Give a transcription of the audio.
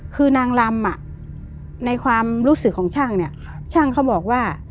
คือนางลำในความรู้สึกของช่างเนี่ยช่างเขาบอกว่า